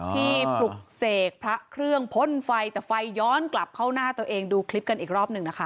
ปลุกเสกพระเครื่องพ่นไฟแต่ไฟย้อนกลับเข้าหน้าตัวเองดูคลิปกันอีกรอบหนึ่งนะคะ